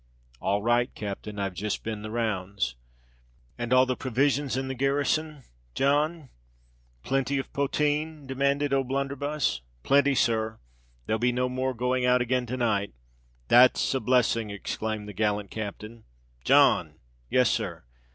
"All right, captain: I've just been the rounds." "And all the provisions in the garrison, John?—plenty of potheen?" demanded O'Blunderbuss. "Plenty, sir. There'll be no more going out again to night." "That's a blissing!" exclaimed the gallant captain. "John!" "Yes—sir."